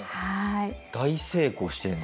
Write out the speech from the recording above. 大成功してるんだ。